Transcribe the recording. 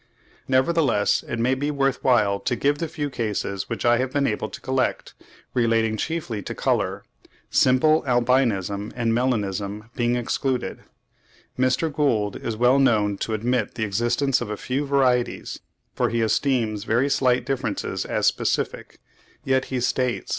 Nevertheless, it may be worth while to give the few cases which I have been able to collect, relating chiefly to colour,—simple albinism and melanism being excluded. Mr. Gould is well known to admit the existence of few varieties, for he esteems very slight differences as specific; yet he states (36. 'Introduction to the Trochlidae,' p. 102.)